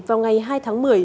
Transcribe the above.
vào ngày hai tháng một mươi